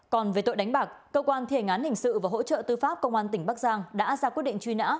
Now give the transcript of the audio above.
còn về tội đánh bạc cơ quan thể ngán hình sự và hỗ trợ tư pháp công an tỉnh bắc giang đã ra quyết định truy nã